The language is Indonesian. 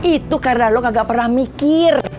itu karena lo gak pernah mikir